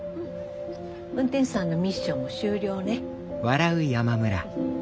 運転手さんのミッションも終了ね。